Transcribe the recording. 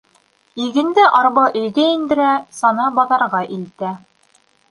Игенде арба өйгә индерә, сана баҙарға илтә.